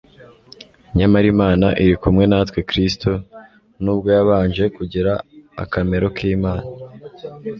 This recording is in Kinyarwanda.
Nyamara Imana iri kumwe natwe Kristo "nubwo yabanje kugira akamero k'Imana